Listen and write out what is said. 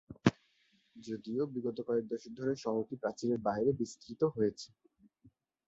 যদিও বিগত কয়েক দশক ধরে শহরটি প্রাচীরের বাইরে বিস্তৃত হয়েছে।